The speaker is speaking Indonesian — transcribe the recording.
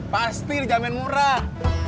pasti pasti dijamin murah